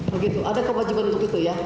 begitu ada kewajiban untuk itu ya